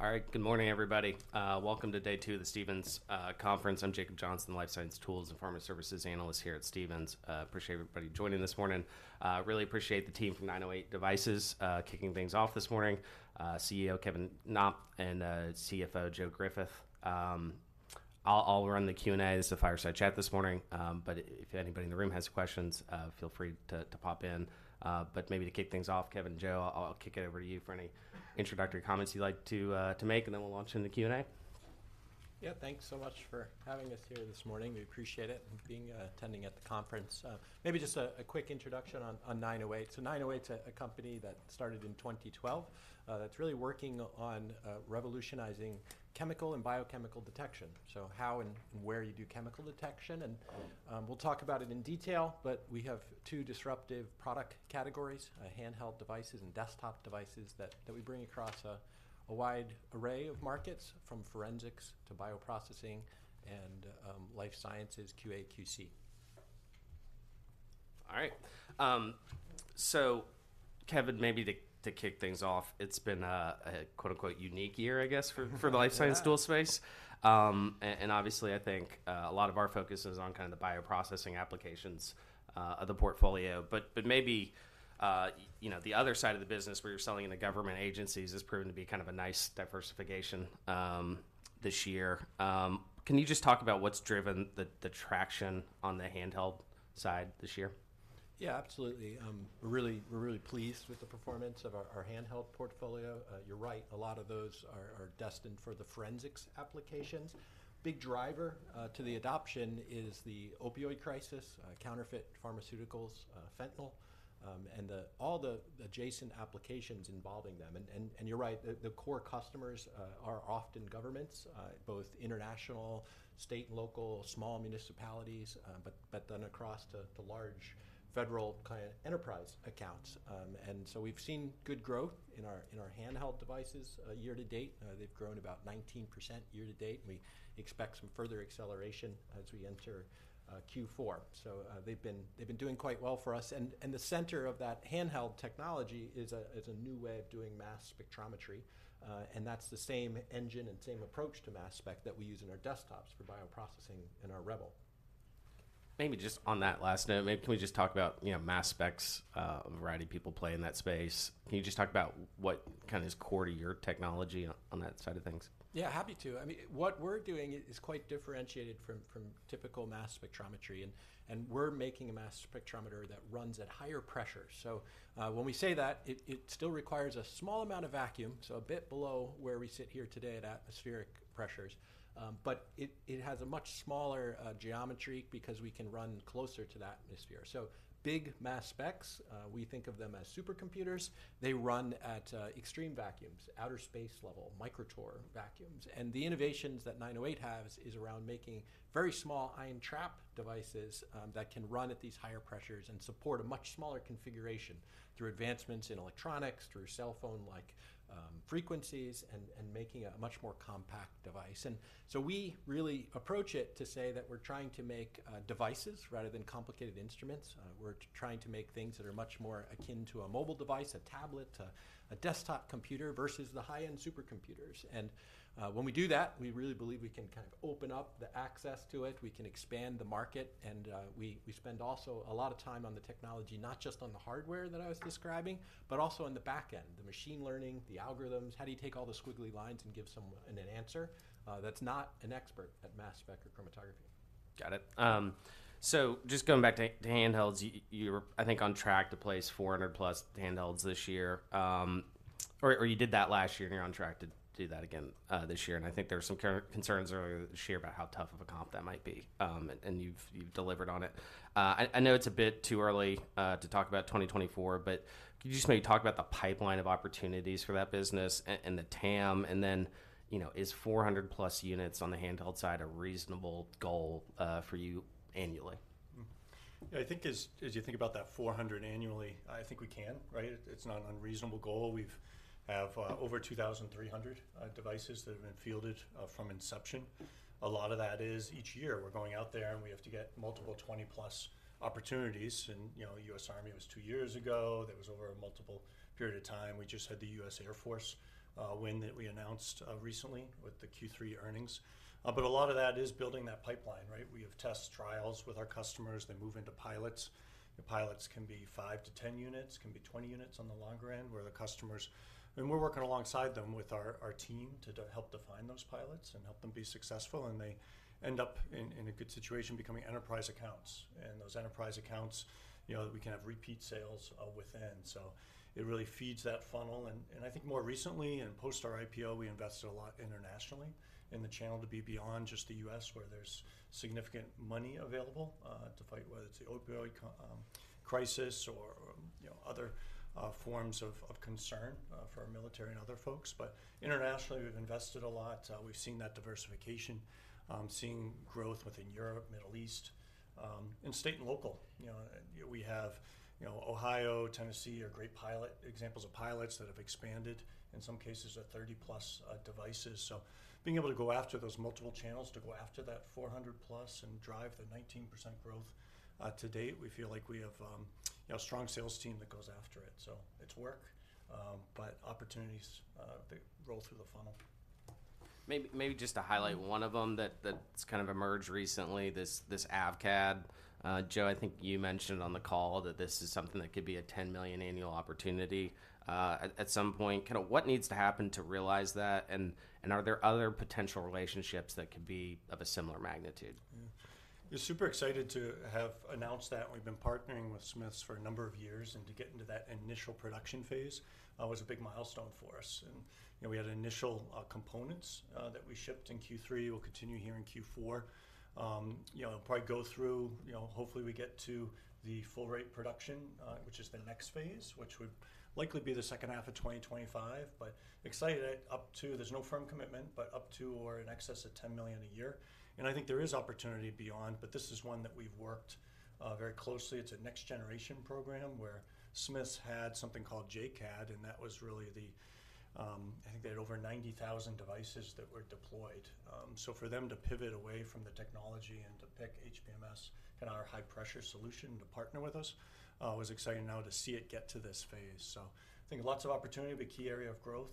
All right. Good morning, everybody. Welcome to day two of the Stephens conference. I'm Jacob Johnson, life science tools and pharma services analyst here at Stephens. Appreciate everybody joining this morning. Really appreciate the team from 908 Devices kicking things off this morning, CEO Kevin Knopp and CFO Joe Griffith. I'll run the Q&A as the fireside chat this morning, but if anybody in the room has questions, feel free to pop in. But maybe to kick things off, Kevin and Joe, I'll kick it over to you for any introductory comments you'd like to make, and then we'll launch into the Q&A. Yeah. Thanks so much for having us here this morning. We appreciate it, and being attending at the conference. Maybe just a quick introduction on 908. So 908's a company that started in 2012, that's really working on revolutionizing chemical and biochemical detection. So how and where you do chemical detection, and we'll talk about it in detail, but we have two disruptive product categories, handheld devices and desktop devices, that we bring across a wide array of markets, from forensics to bioprocessing and life sciences, QA/QC. All right. So Kevin, maybe to kick things off, it's been a quote-unquote "unique year," I guess, for the life science tool space. Yeah. And obviously, I think a lot of our focus is on kind of the bioprocessing applications of the portfolio. But maybe you know, the other side of the business, where you're selling to government agencies, has proven to be kind of a nice diversification this year. Can you just talk about what's driven the traction on the handheld side this year? Yeah, absolutely. We're really pleased with the performance of our handheld portfolio. You're right, a lot of those are destined for the forensics applications. Big driver to the adoption is the opioid crisis, counterfeit pharmaceuticals, fentanyl, and all the adjacent applications involving them. And you're right, the core customers are often governments, both international, state and local, small municipalities, but then across to large federal kinda enterprise accounts. And so we've seen good growth in our handheld devices. Year to date, they've grown about 19% year to date, and we expect some further acceleration as we enter Q4. So they've been doing quite well for us. The center of that handheld technology is a new way of doing mass spectrometry, and that's the same engine and same approach to mass spec that we use in our desktops for bioprocessing in our Rebel. Maybe just on that last note, maybe can we just talk about, you know, mass specs, the variety of people play in that space? Can you just talk about what kind of is core to your technology on, on that side of things? Yeah, happy to. I mean, what we're doing is quite differentiated from typical mass spectrometry, and we're making a mass spectrometer that runs at higher pressure. So, when we say that, it still requires a small amount of vacuum, so a bit below where we sit here today at atmospheric pressures. But it has a much smaller geometry because we can run closer to the atmosphere. So big mass specs, we think of them as supercomputers. They run at extreme vacuums, outer space level, microtorr vacuums. And the innovations that 908 Devices has is around making very small ion trap devices that can run at these higher pressures and support a much smaller configuration through advancements in electronics, through cell phone-like frequencies, and making a much more compact device. And so we really approach it to say that we're trying to make devices rather than complicated instruments. We're trying to make things that are much more akin to a mobile device, a tablet, a desktop computer versus the high-end supercomputers. And, when we do that, we really believe we can kind of open up the access to it, we can expand the market, and, we spend also a lot of time on the technology, not just on the hardware that I was describing, but also on the back end, the machine learning, the algorithms. How do you take all the squiggly lines and give someone an answer that's not an expert at mass spectrometry? Got it. So just going back to handhelds, you're, I think, on track to place 400+ handhelds this year. Or you did that last year, and you're on track to do that again this year. And I think there were some concerns earlier this year about how tough of a comp that might be. And you've delivered on it. I know it's a bit too early to talk about 2024, but could you just maybe talk about the pipeline of opportunities for that business and the TAM, and then, you know, is 400+ units on the handheld side a reasonable goal for you annually? I think as you think about that 400 annually, I think we can, right? It's not an unreasonable goal. We've had over 2,300 devices that have been fielded from inception. A lot of that is each year, we're going out there, and we have to get multiple 20+ opportunities. And, you know, U.S. Army was 2 years ago. There was over a multiple period of time. We just had the U.S. Air Force win that we announced recently with the Q3 earnings. But a lot of that is building that pipeline, right? We have test trials with our customers. They move into pilots. The pilots can be 5-10 units, can be 20 units on the longer end, where the customers... And we're working alongside them with our team to help define those pilots and help them be successful, and they end up in a good situation, becoming enterprise accounts. And those enterprise accounts, you know, we can have repeat sales within. So it really feeds that funnel. And I think more recently, in post our IPO, we invested a lot internationally in the channel to be beyond just the U.S., where there's significant money available to fight, whether it's the opioid crisis or, you know, other forms of concern for our military and other folks. But internationally, we've invested a lot. We've seen that diversification, seeing growth within Europe, Middle East, and state and local. You know, we have, you know, Ohio, Tennessee, are great pilot examples of pilots that have expanded, in some cases, 30+ devices. So being able to go after those multiple channels, to go after that 400+ and drive the 19% growth, to date, we feel like we have, you know, a strong sales team that goes after it. So it's work, but opportunities, they roll through the funnel.... maybe, maybe just to highlight one of them that that's kind of emerged recently, this AVCAD. Joe, I think you mentioned on the call that this is something that could be a $10 million annual opportunity at some point. Kind of what needs to happen to realize that, and are there other potential relationships that could be of a similar magnitude? Yeah. We're super excited to have announced that. We've been partnering with Smiths for a number of years, and to get into that initial production phase was a big milestone for us. And, you know, we had initial components that we shipped in Q3, will continue here in Q4. You know, probably go through, you know, hopefully, we get to the full rate production, which is the next phase, which would likely be the second half of 2025. But excited at up to—there's no firm commitment, but up to or in excess of $10 million a year. And I think there is opportunity beyond, but this is one that we've worked very closely. It's a next generation program where Smiths had something called JCAD, and that was really the, I think they had over 90,000 devices that were deployed. So for them to pivot away from the technology and to pick HPMS and our high-pressure solution to partner with us, was exciting. Now to see it get to this phase. So I think lots of opportunity, but key area of growth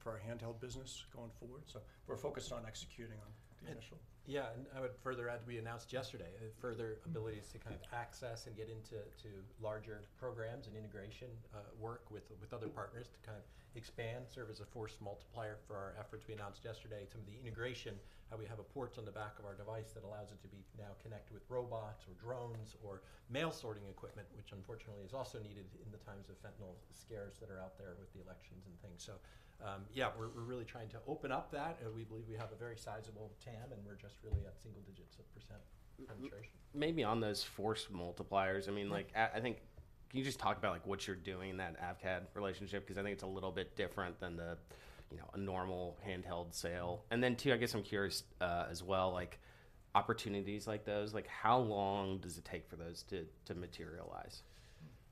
for our handheld business going forward. So we're focused on executing on the initial. Yeah, and I would further add, we announced yesterday a further abilities- Mm-hmm... to kind of access and get into to larger programs and integration, work with, with other partners to kind of expand, serve as a force multiplier for our efforts. We announced yesterday some of the integration, how we have a port on the back of our device that allows it to be now connected with robots or drones or mail sorting equipment, which unfortunately is also needed in the times of fentanyl scares that are out there with the elections and things. So, yeah, we're, we're really trying to open up that, and we believe we have a very sizable TAM, and we're just really at single digits of % penetration. Maybe on those force multipliers, I mean. Yeah I think, can you just talk about, like, what you're doing in that AVCAD relationship? Because I think it's a little bit different than the, you know, a normal handheld sale. And then, two, I guess I'm curious, as well, like, opportunities like those, like, how long does it take for those to materialize?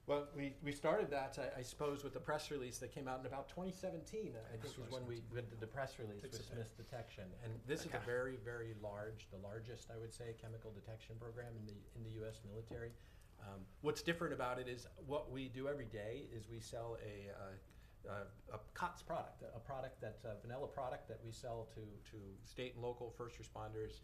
Well, we started that, I suppose, with the press release that came out in about 2017. I think was when we- Mm-hmm... did the press release- Okay... with Smiths Detection. And this is- Okay... a very, very large, the largest, I would say, chemical detection program in the U.S. military. What's different about it is, what we do every day is we sell a COTS product, a product that's a vanilla product that we sell to state and local first responders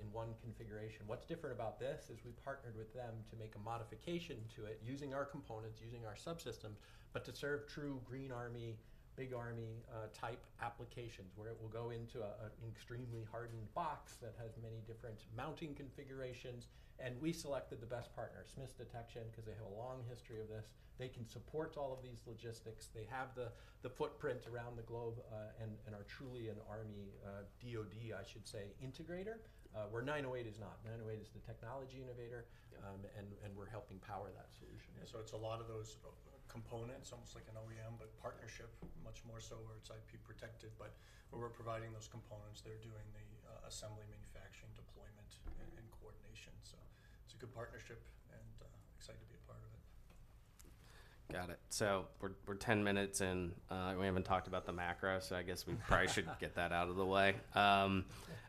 in one configuration. What's different about this is we partnered with them to make a modification to it using our components, using our subsystems, but to serve true green army, big army type applications, where it will go into a extremely hardened box that has many different mounting configurations, and we selected the best partner, Smiths Detection, 'cause they have a long history of this. They can support all of these logistics. They have the footprint around the globe, and are truly an army, DOD, I should say, integrator, where 908 is not. 908 is the technology innovator- Yeah... and we're helping power that solution. Yeah, so it's a lot of those components, almost like an OEM, but partnership, much more so where it's IP protected. But we're providing those components. They're doing the assembly, manufacturing, deployment, and coordination. So it's a good partnership, and excited to be a part of it. Got it. So we're 10 minutes in, and we haven't talked about the macro, so I guess we probably should get that out of the way.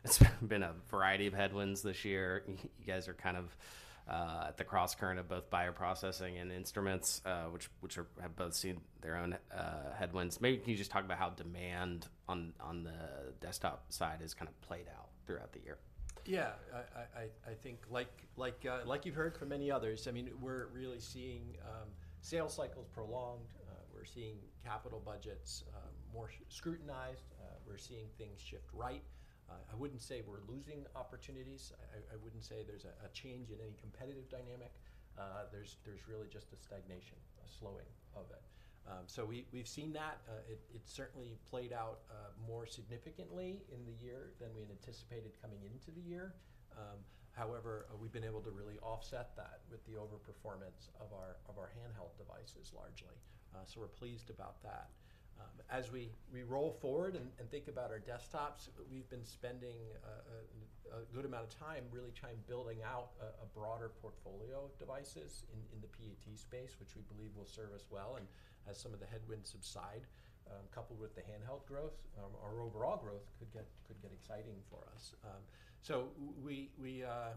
It's been a variety of headwinds this year. You guys are kind of at the crosscurrent of both bioprocessing and instruments, which have both seen their own headwinds. Maybe can you just talk about how demand on the desktop side has kind of played out throughout the year? Yeah. I think, like, you've heard from many others, I mean, we're really seeing sales cycles prolonged. We're seeing capital budgets more scrutinized. We're seeing things shift right. I wouldn't say we're losing opportunities. I wouldn't say there's a change in any competitive dynamic. There's really just a stagnation, a slowing of it. So we've seen that. It certainly played out more significantly in the year than we had anticipated coming into the year. However, we've been able to really offset that with the over-performance of our handheld devices, largely. So we're pleased about that. As we roll forward and think about our desktops, we've been spending a good amount of time really trying building out a broader portfolio of devices in the PAT space, which we believe will serve us well. As some of the headwinds subside, coupled with the handheld growth, our overall growth could get exciting for us.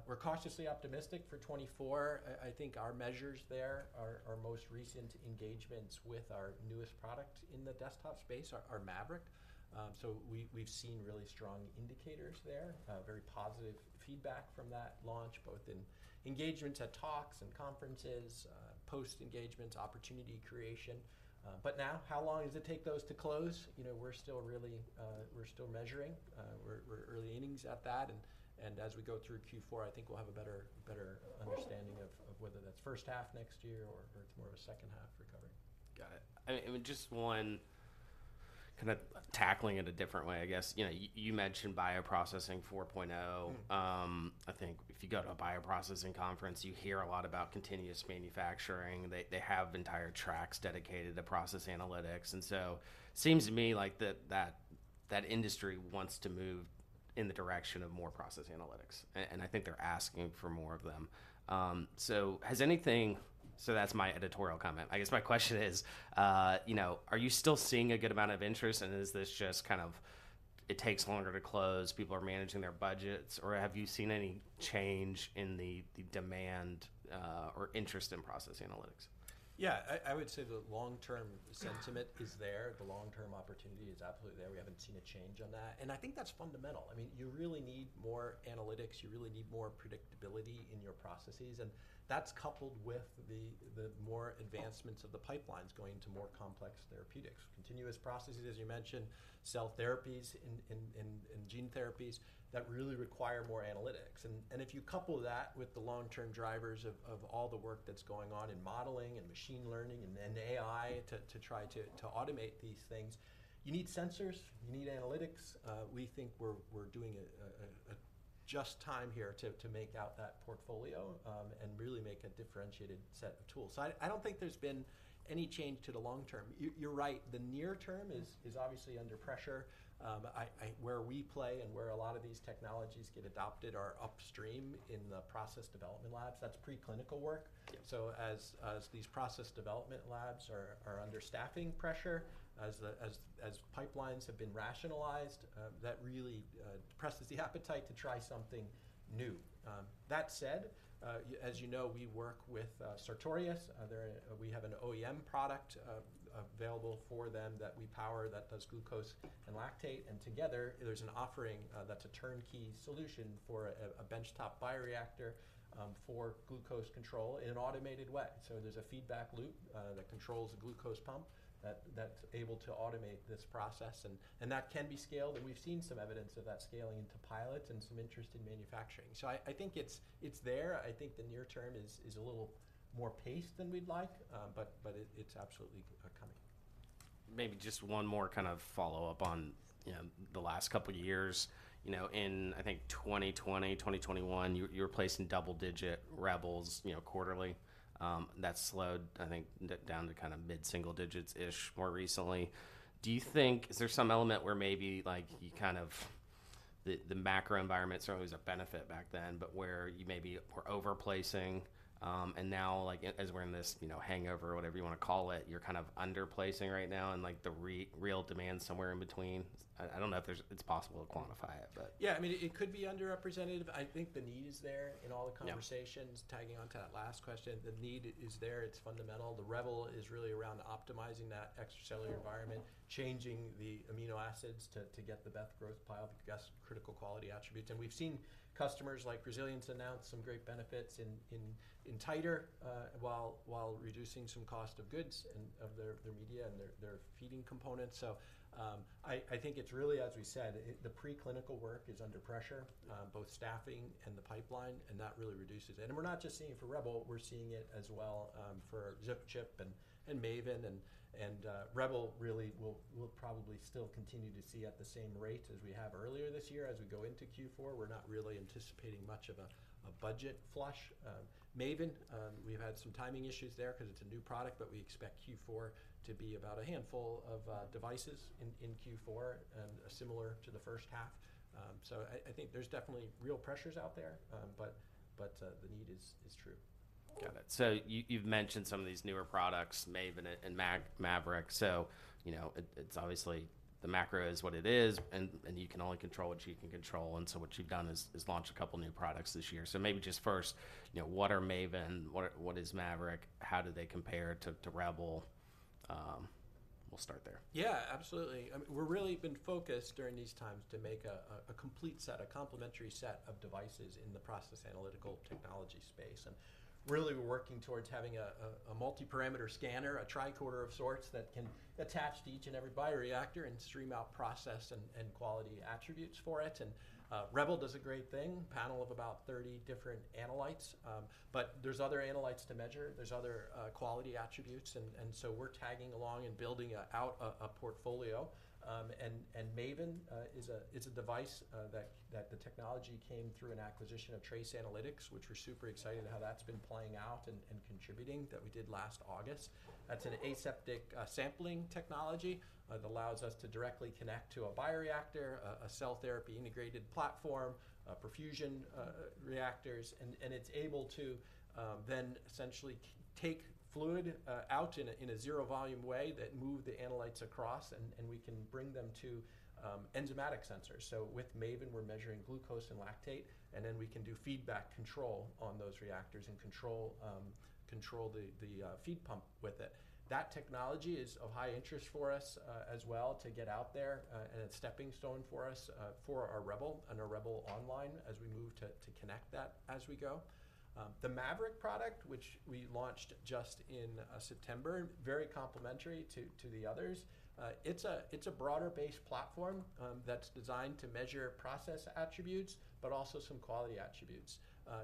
We're cautiously optimistic for 2024. I think our measures there, our most recent engagements with our newest product in the desktop space, our MAVERICK. We've seen really strong indicators there, very positive feedback from that launch, both in engagements at talks and conferences, post-engagements, opportunity creation. But now, how long does it take those to close? You know, we're still really, we're still measuring. We're early innings at that, and as we go through Q4, I think we'll have a better understanding of whether that's first half next year or it's more of a second half recovery. Got it. I mean, just one... kind of tackling it a different way, I guess, you know, you mentioned Bioprocessing 4.0. Mm-hmm. I think if you go to a bioprocessing conference, you hear a lot about continuous manufacturing. They have entire tracks dedicated to process analytics, and so seems to me like that industry wants to move in the direction of more process analytics, and I think they're asking for more of them. So that's my editorial comment. I guess my question is, you know, are you still seeing a good amount of interest, and is this just kind of it takes longer to close, people are managing their budgets, or have you seen any change in the demand, or interest in process analytics? Yeah, I would say the long-term sentiment- Yeah - is there. The long-term opportunity is absolutely there. We haven't seen a change on that, and I think that's fundamental. I mean, you really need more analytics. You really need more predictability in your processes, and that's coupled with the more advancements of the pipelines going to more complex therapeutics. Continuous processes, as you mentioned, cell therapies in gene therapies that really require more analytics. And if you couple that with the long-term drivers of all the work that's going on in modeling and machine learning and then AI to try to automate these things, you need sensors, you need analytics. We think we're doing a just time here to make out that portfolio, and really make a differentiated set of tools. So I don't think there's been any change to the long term. You're right, the near term is- Mm... is obviously under pressure. Where we play and where a lot of these technologies get adopted are upstream in the process development labs. That's preclinical work. Yeah. So as these process development labs are under staffing pressure, as the pipelines have been rationalized, that really depresses the appetite to try something new. That said, as you know, we work with Sartorius, they're we have an OEM product available for them that we power, that does glucose and lactate, and together, there's an offering that's a turnkey solution for a benchtop bioreactor for glucose control in an automated way. So there's a feedback loop that controls the glucose pump, that's able to automate this process, and that can be scaled, and we've seen some evidence of that scaling into pilots and some interest in manufacturing. So I think it's there. I think the near term is a little more paced than we'd like, but it's absolutely coming. Maybe just one more kind of follow-up on, you know, the last couple years. You know, in, I think, 2020, 2021, you were placing double-digit Rebels, you know, quarterly. That slowed, I think, down to kind of mid-single digits-ish more recently. Do you think... Is there some element where maybe like you kind of... The macro environment certainly was a benefit back then, but where you maybe were over-placing, and now, like, as we're in this, you know, hangover, whatever you wanna call it, you're kind of under-placing right now, and, like, the real demand's somewhere in between? I don't know if it's possible to quantify it, but. Yeah, I mean, it could be underrepresentative. I think the need is there in all the conversations. Yeah... Tagging on to that last question, the need is there, it's fundamental. The Rebel is really around optimizing that extracellular environment, changing the amino acids to get the best growth profile, the best critical quality attributes. And we've seen customers like Resilience announce some great benefits in titer while reducing some cost of goods and of their media and their feeding components. So, I think it's really, as we said, it, the preclinical work is under pressure- Yeah... both staffing and the pipeline, and that really reduces it. And we're not just seeing it for Rebel, we're seeing it as well, for ZipChip and MAVEN. And Rebel really, we'll probably still continue to see at the same rate as we have earlier this year as we go into Q4. We're not really anticipating much of a budget flush. MAVEN, we've had some timing issues there 'cause it's a new product, but we expect Q4 to be about a handful of devices in Q4, similar to the first half. So I think there's definitely real pressures out there, but the need is true. Got it. So you've mentioned some of these newer products, MAVEN and MAVERICK. So, you know, it's obviously the macro is what it is, and you can only control what you can control, and so what you've done is launch a couple new products this year. So maybe just first, you know, what are MAVEN? What is MAVERICK? How do they compare to Rebel? We'll start there. Yeah, absolutely. I mean, we're really been focused during these times to make a complete set, a complementary set of devices in the process analytical technology space. And really, we're working towards having a multi-parameter scanner, a tricorder of sorts, that can attach to each and every bioreactor and stream out process and quality attributes for it. And Rebel does a great thing, panel of about 30 different analytes. But there's other analytes to measure. There's other quality attributes, and so we're tagging along and building out a portfolio. And MAVEN is a, it's a device that the technology came through an acquisition of Trace Analytics, which we're super excited how that's been playing out and contributing, that we did last August. That's an aseptic sampling technology that allows us to directly connect to a bioreactor, a cell therapy integrated platform, perfusion reactors. It's able to then essentially take fluid out in a zero-volume way that move the analytes across, and we can bring them to enzymatic sensors. So with MAVEN, we're measuring glucose and lactate, and then we can do feedback control on those reactors and control the feed pump with it. That technology is of high interest for us as well to get out there and a stepping stone for us for our Rebel and our Rebel Online as we move to connect that as we go. The MAVERICK product, which we launched just in September, very complementary to the others. It's a broader-based platform that's designed to measure process attributes, but also some quality attributes,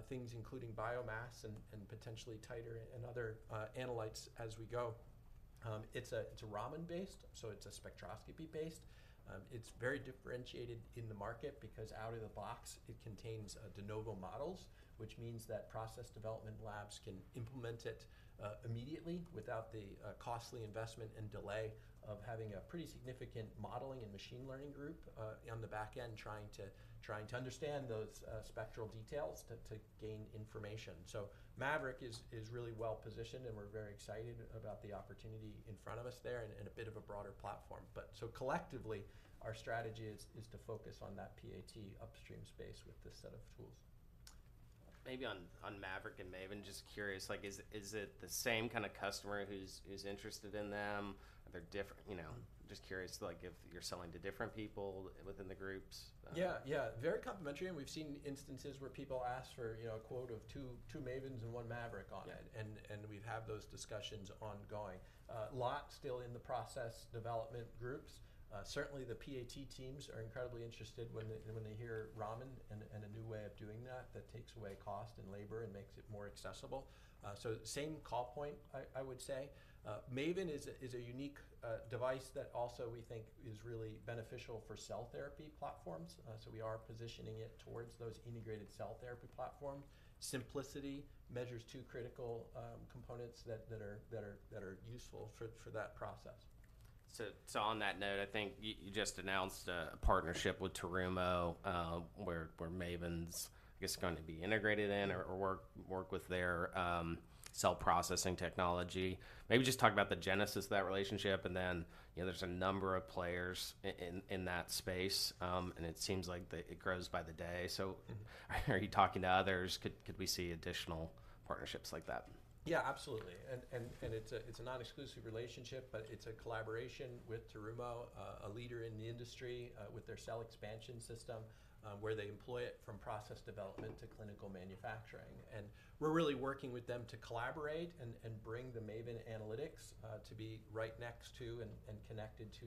things including biomass and potentially titer and other analytes as we go. It's Raman-based, so it's a spectroscopy-based. It's very differentiated in the market because out of the box, it contains de novo models, which means that process development labs can implement it immediately without the costly investment and delay of having a pretty significant modeling and machine learning group on the back end trying to understand those spectral details to gain information. So MAVERICK is really well positioned, and we're very excited about the opportunity in front of us there and a bit of a broader platform. Collectively, our strategy is to focus on that PAT upstream space with this set of tools. ... maybe on MAVERICK and MAVEN, just curious, like, is it the same kind of customer who's interested in them? Are they different? You know, I'm just curious, like, if you're selling to different people within the groups. Yeah, yeah, very complementary, and we've seen instances where people ask for, you know, a quote of 2, 2 MAVENs and 1 MAVERICK on it- Yeah... and we've had those discussions ongoing. A lot still in the process development groups. Certainly, the PAT teams are incredibly interested when they hear Raman and a new way of doing that that takes away cost and labor and makes it more accessible. So same call point, I would say. MAVEN is a unique device that also we think is really beneficial for cell therapy platforms. So we are positioning it towards those integrated cell therapy platforms. Simplicity measures two critical components that are useful for that process. So on that note, I think you just announced a partnership with Terumo, where MAVENs, I guess, are going to be integrated in or work with their cell processing technology. Maybe just talk about the genesis of that relationship, and then, you know, there's a number of players in that space, and it seems like it grows by the day. So are you talking to others? Could we see additional partnerships like that? Yeah, absolutely. It's a non-exclusive relationship, but it's a collaboration with Terumo, a leader in the industry, with their cell expansion system, where they employ it from process development to clinical manufacturing. And we're really working with them to collaborate and bring the MAVEN analytics to be right next to and connected to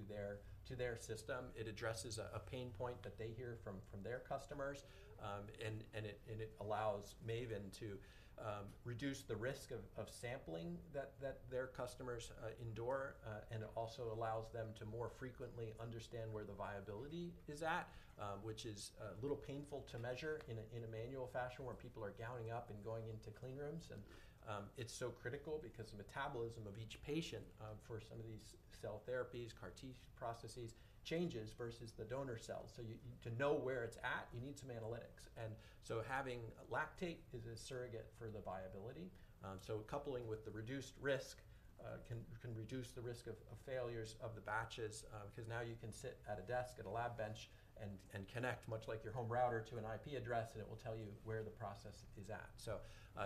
their system. It addresses a pain point that they hear from their customers, and it allows MAVEN to reduce the risk of sampling that their customers endure, and it also allows them to more frequently understand where the viability is at, which is a little painful to measure in a manual fashion, where people are gowning up and going into clean rooms. It's so critical because the metabolism of each patient, for some of these cell therapies, CAR T processes, changes versus the donor cells. So to know where it's at, you need some analytics. And so having lactate is a surrogate for the viability. So coupling with the reduced risk can reduce the risk of failures of the batches, because now you can sit at a desk, at a lab bench, and connect, much like your home router, to an IP address, and it will tell you where the process is at. So,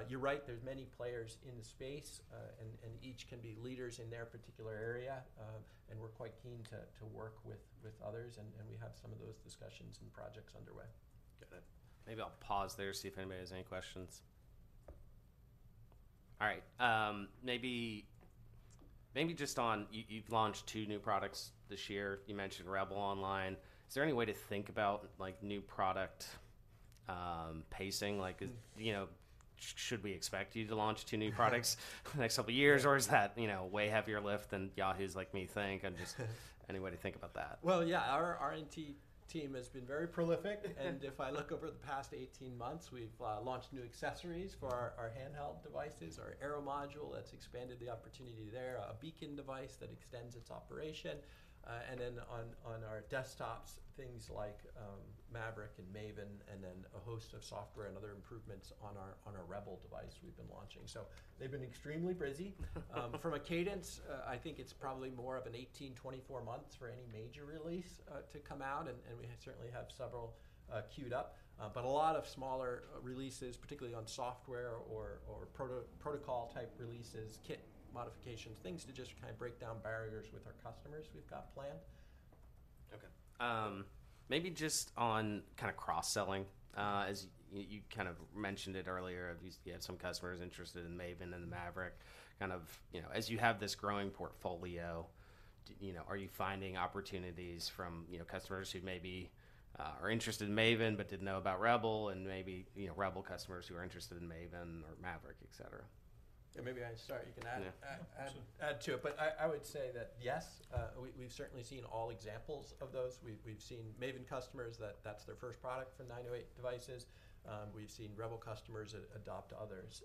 you're right, there's many players in the space, and each can be leaders in their particular area, and we're quite keen to work with others, and we have some of those discussions and projects underway. Got it. Maybe I'll pause there, see if anybody has any questions. All right, maybe, maybe just on... You've launched two new products this year. You mentioned Rebel Online. Is there any way to think about, like, new product pacing? Like, you know, should we expect you to launch two new products the next couple of years- Yeah... or is that, you know, way heavier lift than yahoos like me think... any way to think about that? Well, yeah, our R&D team has been very prolific. If I look over the past 18 months, we've launched new accessories for our handheld devices, our Aero module that's expanded the opportunity there, a Beacon device that extends its operation, and then on our desktops, things like MAVERICK and MAVEN, and then a host of software and other improvements on our Rebel device we've been launching. So they've been extremely busy. From a cadence, I think it's probably more of an 18-24 months for any major release to come out, and we certainly have several queued up. But a lot of smaller releases, particularly on software or protocol-type releases, kit modifications, things to just kind of break down barriers with our customers, we've got planned. Okay, maybe just on kind of cross-selling, as you, you kind of mentioned it earlier, obviously, you have some customers interested in MAVEN and the MAVERICK, kind of, you know, as you have this growing portfolio, you know, are you finding opportunities from, you know, customers who maybe are interested in MAVEN but didn't know about Rebel, and maybe, you know, Rebel customers who are interested in MAVEN or MAVERICK, et cetera? Yeah, maybe I can start, you can add- Yeah... add to it. Sure. But I would say that, yes, we’ve certainly seen all examples of those. We’ve seen MAVEN customers, that’s their first product for 908 Devices. We’ve seen Rebel customers adopt others.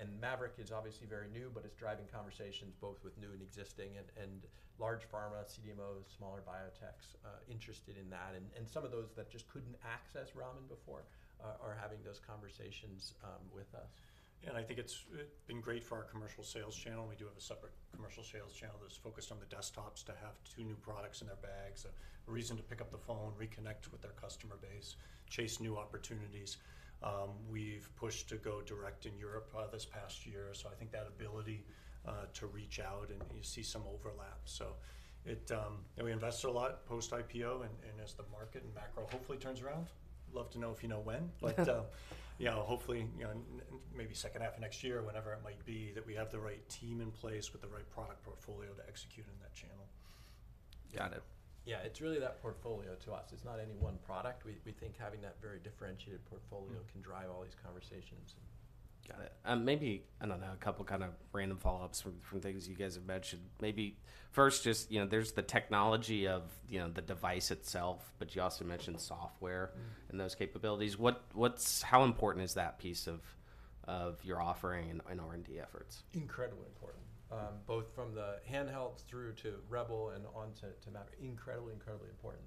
And MAVERICK is obviously very new, but it’s driving conversations both with new and existing and large pharma, CDMOs, smaller biotechs interested in that. And some of those that just couldn’t access Raman before are having those conversations with us. And I think it's been great for our commercial sales channel. We do have a separate commercial sales channel that's focused on the desktops to have two new products in their bags, a reason to pick up the phone, reconnect with their customer base, chase new opportunities. We've pushed to go direct in Europe this past year, so I think that ability to reach out, and you see some overlap. So it... And we invested a lot post-IPO, and, and as the market and macro hopefully turns around, love to know if you know when. But yeah, hopefully, you know, maybe second half of next year, whenever it might be, that we have the right team in place with the right product portfolio to execute in that channel. Got it. Yeah, it's really that portfolio to us. It's not any one product. We think having that very differentiated portfolio- Mm-hmm... can drive all these conversations. Got it. Maybe, I don't know, a couple kind of random follow-ups from things you guys have mentioned. Maybe first, just, you know, there's the technology of, you know, the device itself, but you also mentioned software- Mm-hmm... and those capabilities. What is— How important is that piece of technology of your offering and R&D efforts? Incredibly important. Both from the handheld through to Rebel and on to, to MAVEN. Incredibly, incredibly important.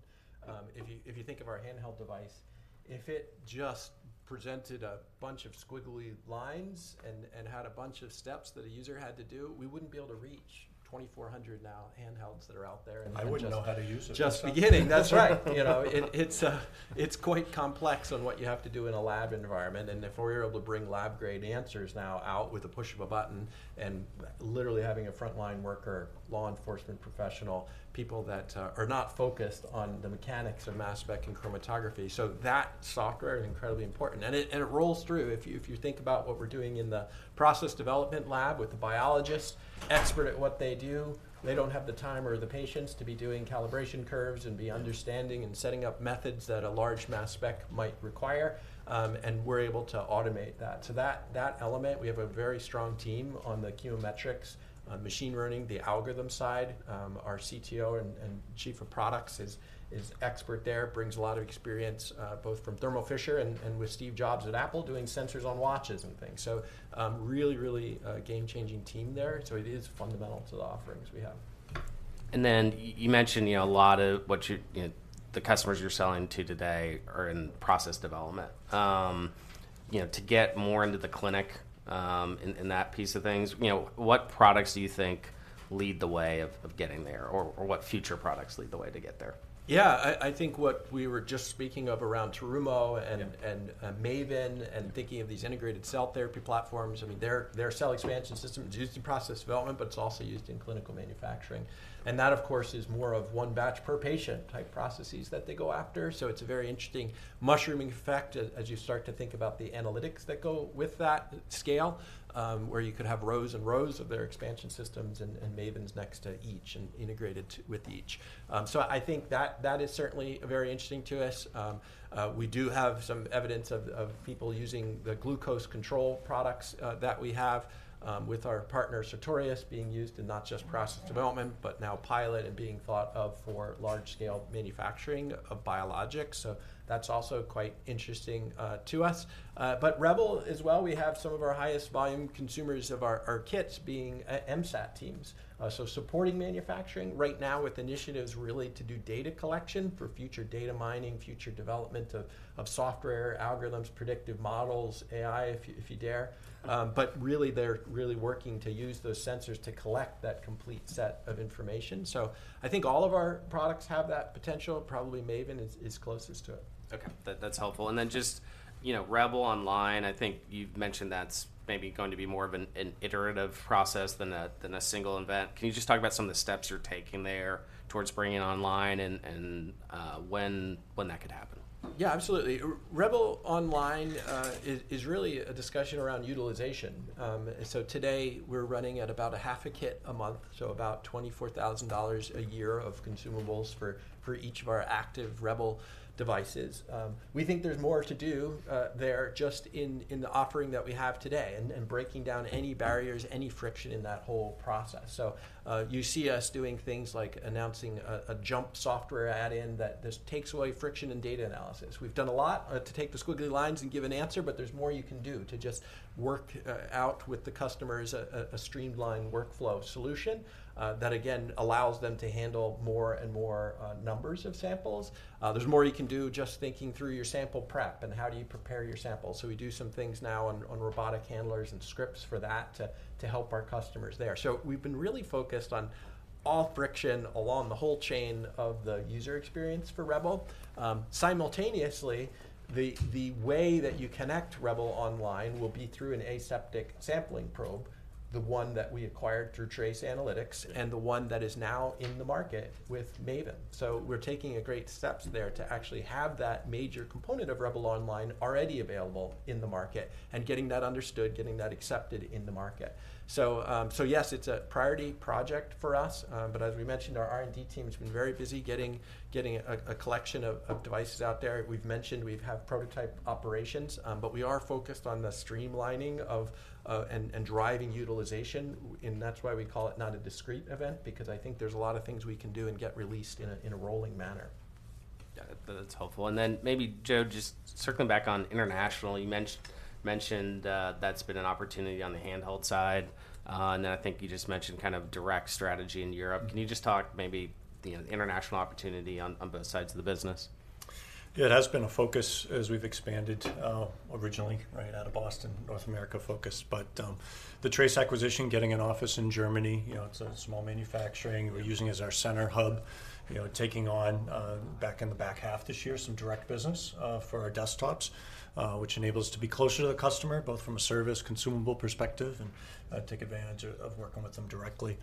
If you, if you think of our handheld device, if it just presented a bunch of squiggly lines and, and had a bunch of steps that a user had to do, we wouldn't be able to reach 2,400 handhelds that are out there, and- I wouldn't know how to use it. Just beginning. That's right. You know, it's quite complex on what you have to do in a lab environment, and if we're able to bring lab-grade answers now out with the push of a button, and literally having a frontline worker, law enforcement professional, people that are not focused on the mechanics of mass spec and chromatography. So that software is incredibly important, and it rolls through. If you think about what we're doing in the process development lab with the biologists, expert at what they do, they don't have the time or the patience to be doing calibration curves and be understanding- Mm... and setting up methods that a large mass spec might require. And we're able to automate that. So that, that element, we have a very strong team on the chemometrics, machine learning, the algorithm side. Our CTO and Chief of Products is expert there, brings a lot of experience, both from Thermo Fisher and with Steve Jobs at Apple, doing sensors on watches and things. So, really, really, game-changing team there. So it is fundamental to the offerings we have. And then you mentioned, you know, a lot of what you, the customers you're selling to today are in process development. You know, to get more into the clinic, and that piece of things, you know, what products do you think lead the way of getting there? Or what future products lead the way to get there? Yeah, I think what we were just speaking of around Terumo and- Yeah... and, MAVEN, and thinking of these integrated cell therapy platforms, I mean, their cell expansion system is used in process development, but it's also used in clinical manufacturing. And that, of course, is more of one batch per patient type processes that they go after. So it's a very interesting mushrooming effect as you start to think about the analytics that go with that scale, where you could have rows and rows of their expansion systems and MAVENs next to each and integrated with each. So I think that is certainly very interesting to us. We do have some evidence of people using the glucose control products that we have with our partner, Sartorius, being used in not just process development, but now pilot and being thought of for large-scale manufacturing of biologics. So that's also quite interesting to us. But Rebel as well, we have some of our highest volume consumers of our kits being MSAT teams. So supporting manufacturing right now with initiatives really to do data collection for future data mining, future development of software, algorithms, predictive models, AI, if you dare. But really, they're working to use those sensors to collect that complete set of information. So I think all of our products have that potential. Probably MAVEN is closest to it. Okay, that's helpful. And then just, you know, Rebel Online, I think you've mentioned that's maybe going to be more of an iterative process than a single event. Can you just talk about some of the steps you're taking there towards bringing online and when that could happen? Yeah, absolutely. Rebel Online is really a discussion around utilization. So today, we're running at about a half a kit a month, so about $24,000 a year of consumables for each of our active Rebel devices. We think there's more to do there just in the offering that we have today, and breaking down any barriers, any friction in that whole process. So you see us doing things like announcing a JMP software add-in that just takes away friction and data analysis. We've done a lot to take the squiggly lines and give an answer, but there's more you can do to just work out with the customers a streamlined workflow solution that again allows them to handle more and more numbers of samples. There's more you can do just thinking through your sample prep and how do you prepare your sample. So we do some things now on robotic handlers and scripts for that to help our customers there. So we've been really focused on all friction along the whole chain of the user experience for Rebel. Simultaneously, the way that you connect Rebel Online will be through an aseptic sampling probe, the one that we acquired through Trace Analytics, and the one that is now in the market with MAVEN. So we're taking a great step there to actually have that major component of Rebel Online already available in the market and getting that understood, getting that accepted in the market. Yes, it's a priority project for us, but as we mentioned, our R&D team has been very busy getting a collection of devices out there. We've mentioned we have prototype operations, but we are focused on the streamlining of and driving utilization, and that's why we call it not a discrete event, because I think there's a lot of things we can do and get released in a rolling manner. Yeah, that, that's helpful. And then maybe, Joe, just circling back on international, you mentioned, that's been an opportunity on the handheld side, and then I think you just mentioned kind of direct strategy in Europe. Mm-hmm. Can you just talk maybe the international opportunity on both sides of the business? Yeah, it has been a focus as we've expanded, originally right out of Boston, North America focus. But the Trace acquisition, getting an office in Germany, you know, it's a small manufacturing we're using as our center hub. You know, taking on back in the back half this year, some direct business for our desktops, which enables us to be closer to the customer, both from a service consumable perspective, and take advantage of working with them directly.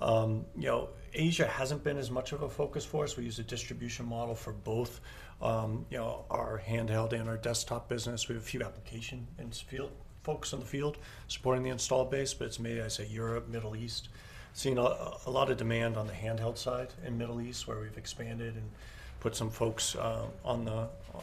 You know, Asia hasn't been as much of a focus for us. We use a distribution model for both, you know, our handheld and our desktop business. We have a few applications engineers in the field, folks in the field supporting the installed base, but it's mainly, I'd say, Europe, Middle East. Seeing a lot of demand on the handheld side in Middle East, where we've expanded and put some folks on the, you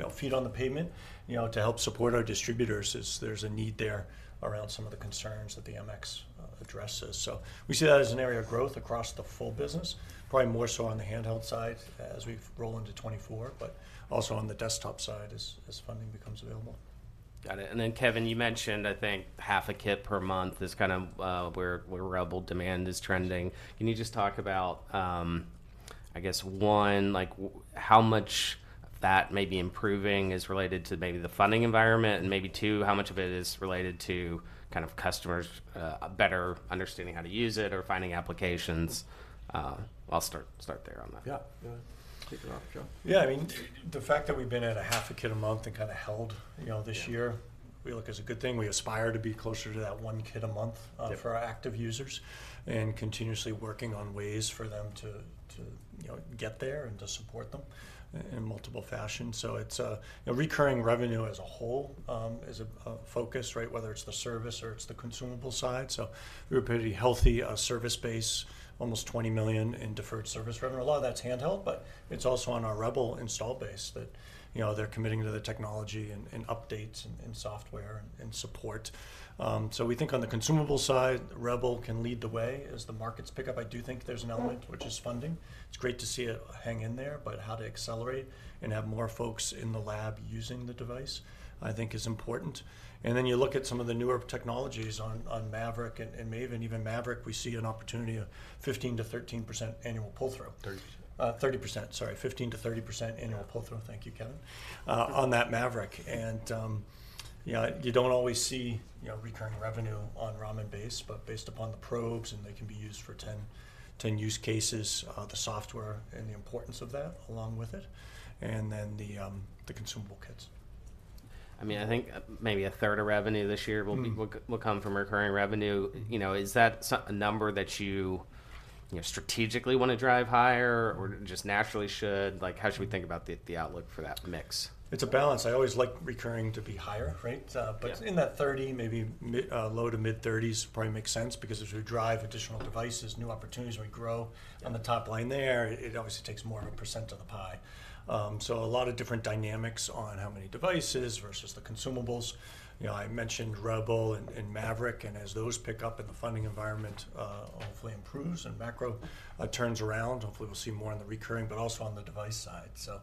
know, feet on the pavement, you know, to help support our distributors as there's a need there.... around some of the concerns that the MX addresses. So we see that as an area of growth across the full business, probably more so on the handheld side as we roll into 2024, but also on the desktop side as funding becomes available. Got it. And then, Kevin, you mentioned, I think, half a kit per month is kind of where Rebel demand is trending. Can you just talk about, I guess, one, like, how much that may be improving is related to maybe the funding environment, and maybe two, how much of it is related to kind of customers better understanding how to use it or finding applications? I'll start there on that. Yeah. Yeah. Take it off, John. Yeah, I mean, the fact that we've been at a half a kit a month and kinda held, you know, this year—Yeah, we look as a good thing. We aspire to be closer to that one kit a month—Yeah, for our active users, and continuously working on ways for them to, you know, get there and to support them in multiple fashions. So it's, you know, recurring revenue as a whole is a focus, right? Whether it's the service or it's the consumable side. So we're pretty healthy service base, almost $20 million in deferred service revenue. A lot of that's handheld, but it's also on our Rebel install base that, you know, they're committing to the technology, and updates, and software, and support. So we think on the consumable side, Rebel can lead the way as the markets pick up. I do think there's an element, which is funding. It's great to see it hang in there, but how to accelerate and have more folks in the lab using the device, I think is important. And then you look at some of the newer technologies on MAVERICK and MAVEN, even MAVERICK, we see an opportunity of 15%-13% annual pull-through. 30%. Thirty percent, sorry. 15%-30% annual pull-through. Yeah... thank you, Kevin, on that MAVERICK. You know, you don't always see, you know, recurring revenue on Raman-based, but based upon the probes, and they can be used for 10, 10 use cases, the software and the importance of that along with it, and then the consumable kits. I mean, I think, maybe a third of revenue this year- Mm... will come from recurring revenue. You know, is that a number that you know strategically wanna drive higher or just naturally should? Like, how should we think about the outlook for that mix? It's a balance. I always like recurring to be higher, right? Yeah. But in that 30, maybe mid- low to mid-30s probably makes sense, because as we drive additional devices, new opportunities, we grow- Yeah... on the top line there, it obviously takes more of a percent of the pie. So a lot of different dynamics on how many devices versus the consumables. You know, I mentioned Rebel and, and MAVERICK, and as those pick up and the funding environment, hopefully improves, and macro, turns around, hopefully, we'll see more on the recurring, but also on the device side. So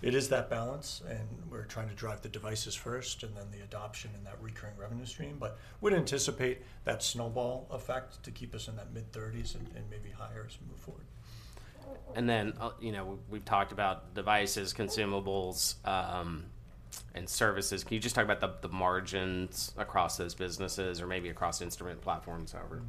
it is that balance, and we're trying to drive the devices first, and then the adoption and that recurring revenue stream. But we'd anticipate that snowball effect to keep us in that mid-thirties and, and maybe higher as we move forward. And then, you know, we've talked about devices, consumables, and services. Can you just talk about the margins across those businesses or maybe across instrument platforms, however,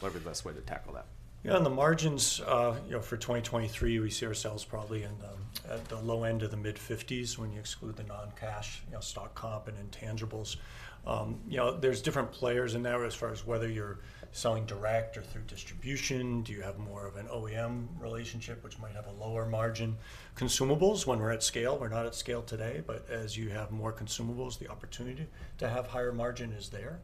whatever the best way to tackle that? Yeah, on the margins, you know, for 2023, we see ourselves probably in the, at the low end of the mid-50s, when you exclude the non-cash, you know, stock comp and intangibles. You know, there's different players in there as far as whether you're selling direct or through distribution. Do you have more of an OEM relationship, which might have a lower margin? Consumables, when we're at scale, we're not at scale today, but as you have more consumables, the opportunity to have higher margin is there,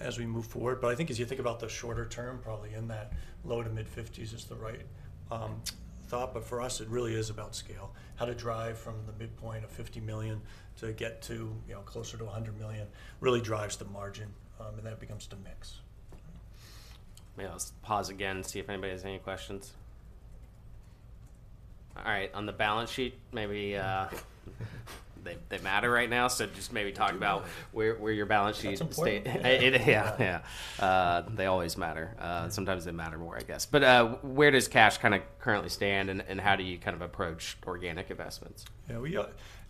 as we move forward. But I think as you think about the shorter term, probably in that low- to mid-50s is the right thought. But for us, it really is about scale. How to drive from the midpoint of $50 million to get to, you know, closer to $100 million, really drives the margin, and that becomes the mix. May I just pause again and see if anybody has any questions? All right, on the balance sheet, maybe they matter right now, so just maybe talk about- Do matter... where your balance sheet state- It's important. Yeah. Yeah. They always matter. Sometimes they matter more, I guess. But, where does cash kinda currently stand, and, and how do you kind of approach organic investments? Yeah, we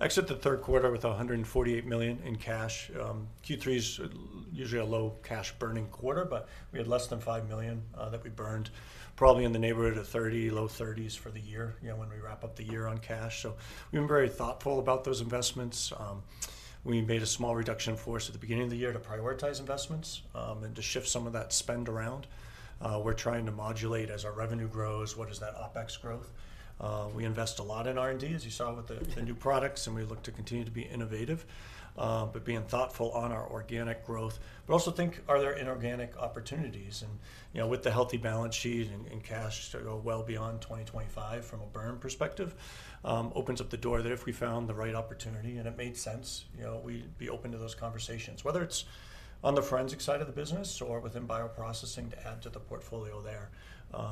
exit the third quarter with $148 million in cash. Q3 is usually a low cash burning quarter, but we had less than $5 million that we burned, probably in the neighborhood of $30 million, low $30s million for the year, you know, when we wrap up the year on cash. So we've been very thoughtful about those investments. We made a small reduction in force at the beginning of the year to prioritize investments, and to shift some of that spend around. We're trying to modulate as our revenue grows, what is that OpEx growth? We invest a lot in R&D, as you saw with the new products, and we look to continue to be innovative, but being thoughtful on our organic growth. But also think, are there inorganic opportunities? You know, with the healthy balance sheet and cash to go well beyond 2025 from a burn perspective, opens up the door that if we found the right opportunity and it made sense, you know, we'd be open to those conversations. Whether it's on the forensic side of the business or within bioprocessing to add to the portfolio there.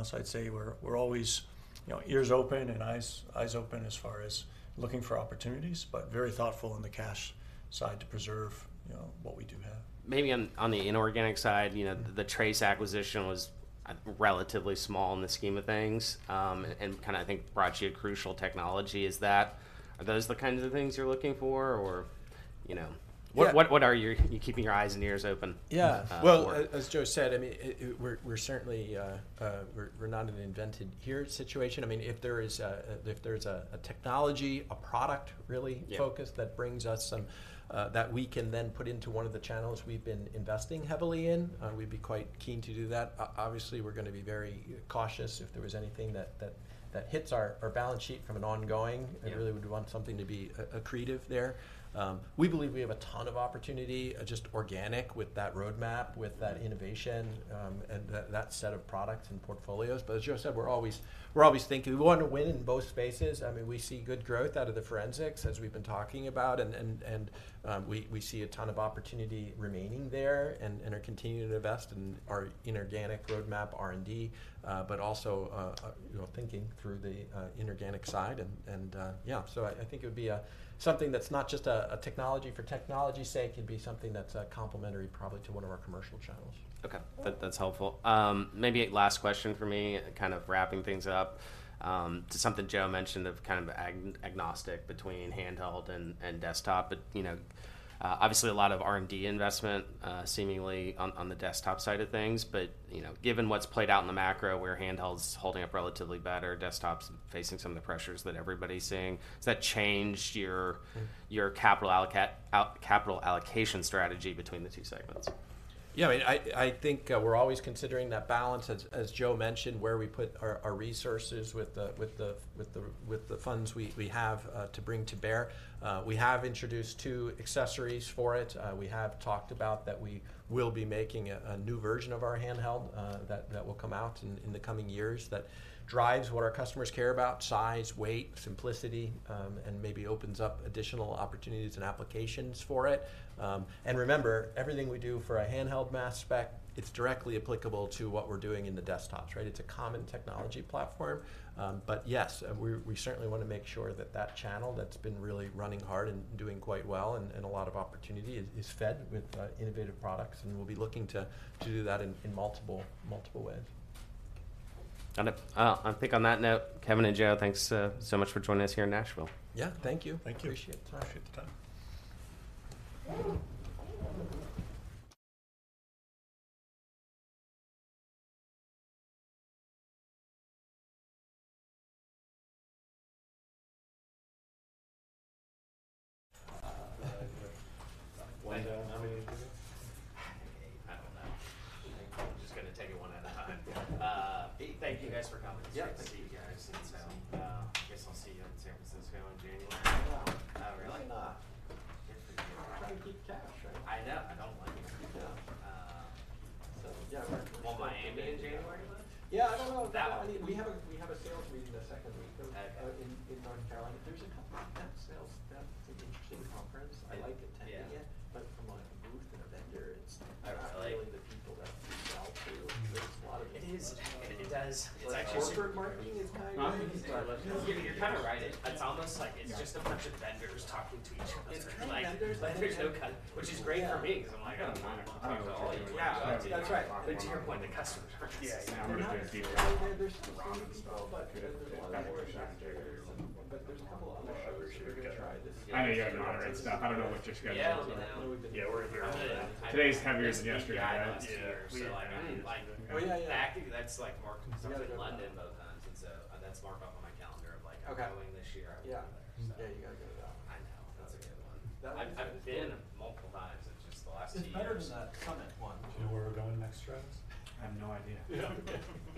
So I'd say we're always, you know, ears open and eyes open as far as looking for opportunities, but very thoughtful on the cash side to preserve, you know, what we do have. Maybe on the inorganic side, you know, the Trace acquisition was relatively small in the scheme of things, and kind of, I think, brought you a crucial technology. Is that, are those the kinds of things you're looking for, or you know? Yeah. What are you keeping your eyes and ears open- Yeah. Well, as Joe said, I mean, we're certainly not an invented here situation. I mean, if there is a, if there's a technology, a product really- Yeah... focused, that brings us some that we can then put into one of the channels we've been investing heavily in, we'd be quite keen to do that. Obviously, we're gonna be very cautious if there was anything that hits our balance sheet from an ongoing- Yeah... I really would want something to be accretive there. We believe we have a ton of opportunity just organic with that roadmap, with that innovation, and that set of products and portfolios. But as Joe said, we're always thinking. We want to win in both spaces. I mean, we see good growth out of the forensics, as we've been talking about, and we see a ton of opportunity remaining there and are continuing to invest in our inorganic roadmap, R&D, but also you know, thinking through the inorganic side and yeah. So I think it would be something that's not just a technology for technology's sake. It'd be something that's complementary probably to one of our commercial channels. Okay. That's helpful. Maybe a last question from me, kind of wrapping things up. To something Joe mentioned of kind of agnostic between handheld and desktop, but you know, obviously, a lot of R&D investment seemingly on the desktop side of things. But, you know, given what's played out in the macro, where handheld's holding up relatively better, desktops facing some of the pressures that everybody's seeing, has that changed your- Mm-hmm... your capital allocation strategy between the two segments? Yeah, I mean, I think we're always considering that balance, as Joe mentioned, where we put our resources with the funds we have to bring to bear. We have introduced two accessories for it. We have talked about that we will be making a new version of our handheld that will come out in the coming years, that drives what our customers care about: size, weight, simplicity, and maybe opens up additional opportunities and applications for it. And remember, everything we do for a handheld mass spec, it's directly applicable to what we're doing in the desktops, right? It's a common technology platform. Yeah. But yes, we certainly wanna make sure that that channel that's been really running hard and doing quite well, and a lot of opportunity is fed with innovative products, and we'll be looking to do that in multiple ways. Got it. I think on that note, Kevin and Joe, thanks, so much for joining us here in Nashville. Yeah. Thank you. Thank you. Appreciate it. Appreciate the time. I'm just gonna take shows we're gonna try this year. I know you have an alright staff. I don't know what just got- Yeah, I know. Yeah, we're here. Today is heavier than yesterday. Yeah, last year, so like... Well, yeah, yeah. I think that's, like, Mark comes down from London both times, and so, that's marked up on my calendar of like- Okay... I'm going this year. Yeah. So. Yeah, you gotta go to that one. I know. That's a good one. That one- I've been multiple times in just the last year. It's better than that summit one. Do you know where we're going next, Travis? I have no idea. Yeah.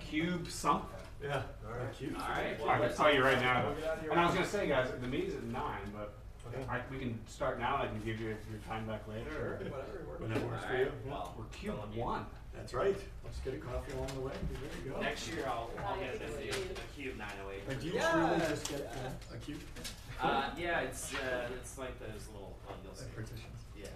Cube something? Yeah. All right. A cube. All right. Well, I can tell you right now- Get out here- I was gonna say, guys, the meeting's at 9:00 A.M., but- Okay... we can start now. I can give you your time back later, or- Sure, whatever works. Whatever works for you. Well- We're cube one. That's right. Let's get a coffee along the way, and we're good to go. Next year, I'll- We'll all get to see you.... a cube 908. Yeah! Do you really just get a cube? Yeah, it's like those little bundles. Partitions. Yeah.